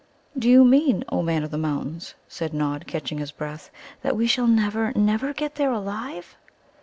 "Do you mean, O Man of the Mountains," said Nod, catching his breath, "that we shall never, never get there alive?"